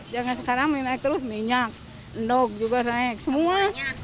jangan sekarang naik terus minyak endok juga naik semua